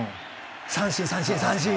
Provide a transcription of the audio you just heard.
三振三振三振。